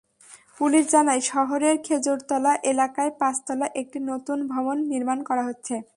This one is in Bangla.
পুলিশ জানায়, শহরের খেজুরতলা এলাকায় পাঁচতলা একটি নতুন ভবন নির্মাণ করা হচ্ছে।